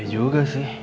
bener juga sih